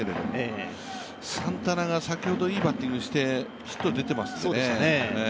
サンタナが先ほどいいバッティングしていますからね。